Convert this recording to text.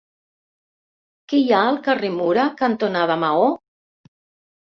Què hi ha al carrer Mura cantonada Maó?